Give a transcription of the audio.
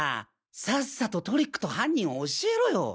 さっさとトリックと犯人教えろよ！